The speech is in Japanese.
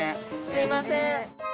すいません。